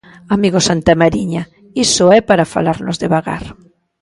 –Amigo Santamariña, iso é para falarmos devagar.